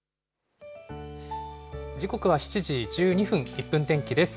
時刻は７時１２分、１分天気です。